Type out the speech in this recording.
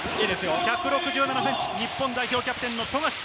１６７センチ、日本代表キャプテン・富樫！